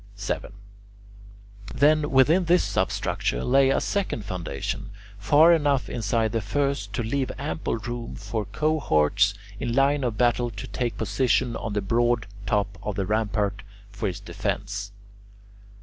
7. Then within this substructure lay a second foundation, far enough inside the first to leave ample room for cohorts in line of battle to take position on the broad top of the rampart for its defence.